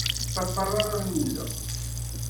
Ur ṭṭafar ara lmuḍa.